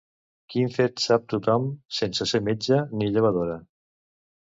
Quin fet sap tothom sense ser metge ni llevadora?